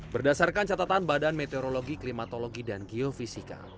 berdasarkan catatan badan meteorologi klimatologi dan geofisika